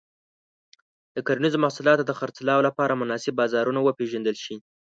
د کرنيزو محصولاتو د خرڅلاو لپاره مناسب بازارونه وپیژندل شي.